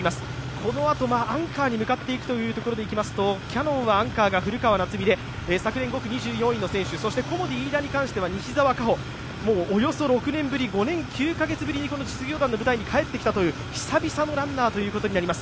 このあと、アンカーに向かっていくというところでいきますとキヤノンはアンカーが古川夏海で昨年５区２４位の選手、コモディイイダに関しては西澤果穂、およそ６年ぶり、５年９カ月ぶりに実業団の舞台に帰ってきたという久々のランナーということになります。